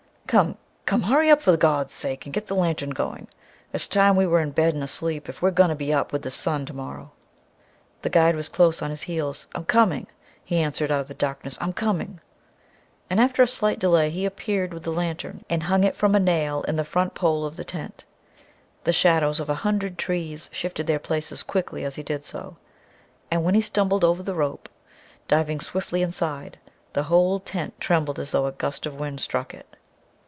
"Come, come, hurry up for God's sake, and get the lantern going! It's time we were in bed and asleep if we're going to be up with the sun tomorrow...." The guide was close on his heels. "I'm coming," he answered out of the darkness, "I'm coming." And after a slight delay he appeared with the lantern and hung it from a nail in the front pole of the tent. The shadows of a hundred trees shifted their places quickly as he did so, and when he stumbled over the rope, diving swiftly inside, the whole tent trembled as though a gust of wind struck it.